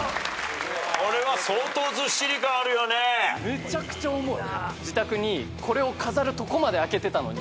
めちゃくちゃ重い。